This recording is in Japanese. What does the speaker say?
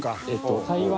台湾。